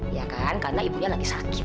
ya kan karena ibunya lagi sakit